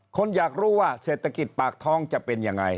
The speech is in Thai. คนอยากรู้ว่าเศรษฐกิจปากท้องจะเป็นยังไง